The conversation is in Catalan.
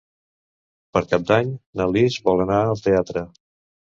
Per Cap d'Any na Lis vol anar al teatre.